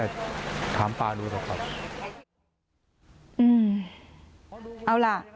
สองสามีภรรยาคู่นี้มีอาชีพ